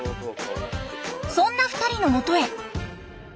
そんな２人のもとへ。